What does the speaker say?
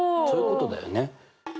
そういうことだよね。